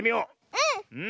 うん！